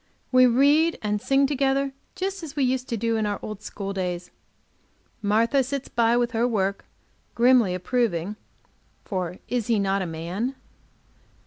We read and sing together, just as we used to do in our old school days. Martha sits by, with her work, grimly approving; for is he not a man?